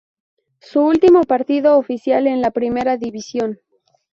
Su último partido oficial en la Primera División.